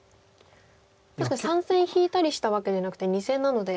確かに３線引いたりしたわけではなくて２線なので。